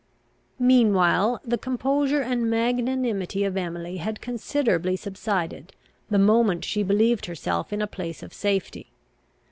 Meanwhile, the composure and magnanimity of Emily had considerably subsided, the moment she believed herself in a place of safety.